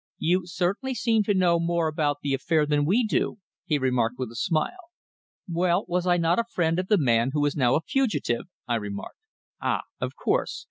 "You certainly seem to know more about the affair than we do," he remarked with a smile. "Well, was I not a friend of the man who is now a fugitive?" I remarked. "Ah, of course!